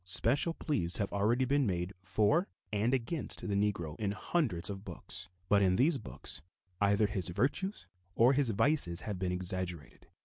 Special pleas have already been made for and against the Negro in hundreds of books, but in these books either his virtues or his vices have been exaggerated.